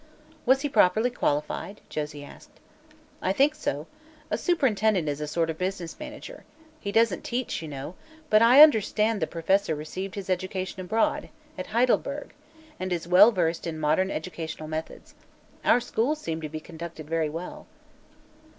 "Was he properly qualified?" Josie asked. "I think so. A superintendent is a sort of business manager. He doesn't teach, you know. But I understand the Professor received his education abroad at Heidelburg and is well versed in modern educational methods. Our schools seem to be conducted very well."